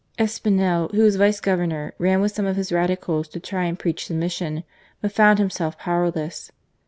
Espinel, who was Vice Governor, ran with some of his Radicals to try and preach submission, but found himself powerless.